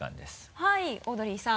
はいオードリーさん。